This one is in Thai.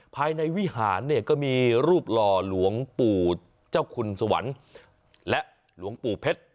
ภายในวิหารเนี่ยก็มีรูปหล่อหลวงปู่เจ้าคุณสวรรค์และหลวงปู่เพชร